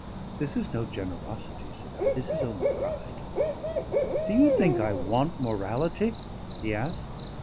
"This is no generosity," said I; "this is only pride." "Do you think I want morality?" he asked.